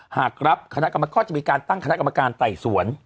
หากรับก็จะมีการตั้งคณะกรมการไต่สวน